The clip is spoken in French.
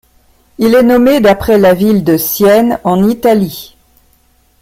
Il est nommé d'après la ville de Sienne en Italie.